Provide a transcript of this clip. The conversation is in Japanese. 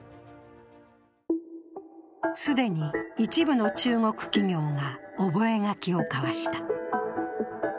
既に一部の中国企業が覚書を交わした。